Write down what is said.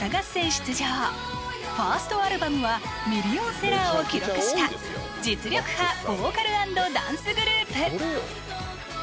出場ファーストアルバムはミリオンセラーを記録した実力派ボーカル＆ダンスグループ